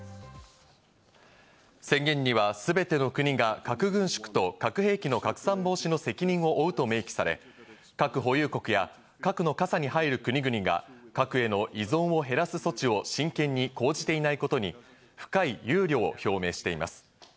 宣言には、すべての国が核軍縮と核兵器の拡散防止の責任を負うと明記され、核保有国や核の傘に入る国々が核への依存を減らす措置を真剣に講じていないことに深い憂慮を表明しています。